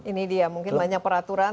ini dia mungkin banyak peraturan